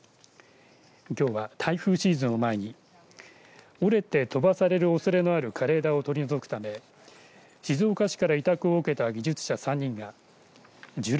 きょうは、台風シーズンを前に折れて飛ばされるおそれのある枯れ枝を取り除くため静岡市から委託を受けた技術者３人が樹齢